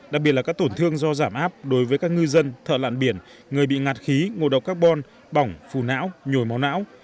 đặc biệt là các tổn thương do giảm áp đối với các ngư dân thợ lạn biển người bị ngạt khí ngộ độc carbon bỏng phù não nhồi máu não